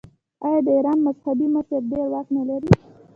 آیا د ایران مذهبي مشر ډیر واک نلري؟